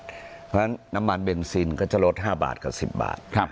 เพราะฉะนั้นน้ำมันเบนซินก็จะลด๕บาทกับ๑๐บาท